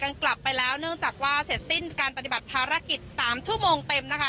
กลับไปแล้วเนื่องจากว่าเสร็จสิ้นการปฏิบัติภารกิจ๓ชั่วโมงเต็มนะคะ